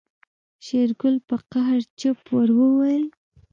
شېرګل په قهر چپ ور وويل.